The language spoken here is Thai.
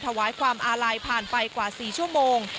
ถวายความอาลัยผ่านไปกว่า๔ชั่วโมง